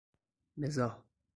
مزاح